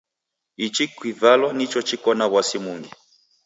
Ichi kivalwa nicho chiko na w'asi mungi.